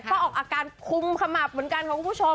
ก็ออกอาการคุมขมับเหมือนกันค่ะคุณผู้ชม